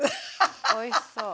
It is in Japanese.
おいしそう。